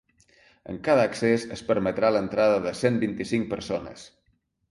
En cada accés es permetrà l’entrada de cent vint-i-cinc persones.